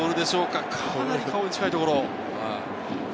かなり顔に近いところ。